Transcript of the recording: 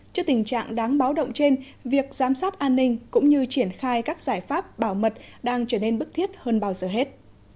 trước tình trạng đáng báo động trên việc giám sát an ninh cũng như triển khai các giải pháp bảo mật đang trở nên bức thiết hơn bao giờ hết